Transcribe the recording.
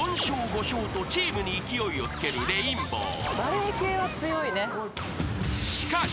５笑とチームに勢いを付けるレインボー］